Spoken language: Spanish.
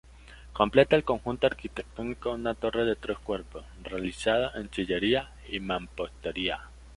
Completa el conjunto arquitectónico una torre de tres cuerpos, realizada en sillería y mampostería.